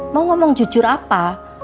mau ngomong jujur apa